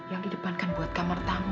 yang di depankan buat kamar tamu